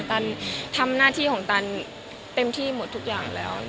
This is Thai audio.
ตันทำหน้าที่ของตันเต็มที่หมดทุกอย่างแล้ว